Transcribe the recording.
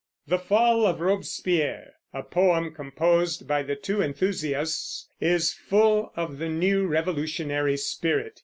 "The Fall of Robespierre," a poem composed by the two enthusiasts, is full of the new revolutionary spirit.